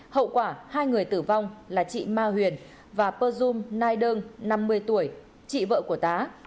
hậu quả hai người tử vong là chị ma huyền và persum naidong năm mươi tuổi chị vợ của tá